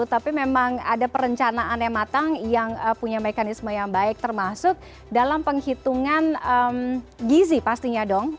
tapi memang ada perencanaan yang matang yang punya mekanisme yang baik termasuk dalam penghitungan gizi pastinya dong